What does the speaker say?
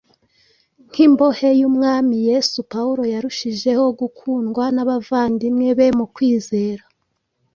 Nk’imbohe y’Umwami Yesu, Pawulo yarushijeho gukundwa n’abavandimwe be mu kwizera;